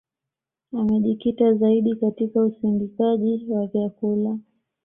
Amejikita zaidi katika usindikaji wa vyakula